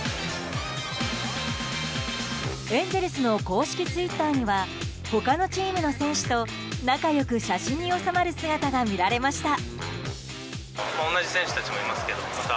エンゼルスの公式ツイッターには他のチームの選手と仲良く写真に納まる姿が見られました。